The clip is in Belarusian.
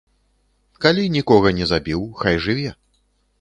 Калі нікога не забіў, хай жыве.